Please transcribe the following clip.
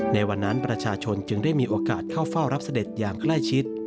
ในวันนั้นประชาชนจึงได้มีโอกาสเข้าเฝ้ารับเสด็จอย่างใกล้ชิด